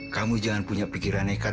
kamu jangan punya pikiran nekat